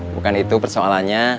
bukan itu persoalannya